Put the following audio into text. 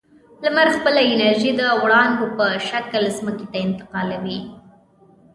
لمر خپله انرژي د وړانګو په شکل ځمکې ته انتقالوي.